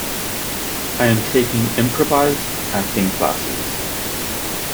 I am taking improvised acting classes.